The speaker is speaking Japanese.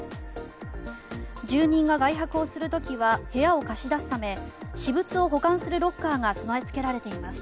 住人が外泊をする時は部屋を貸し出すため私物を保管するロッカーが備え付けられています。